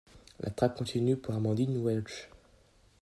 La traque continue pour Amandine Welsch.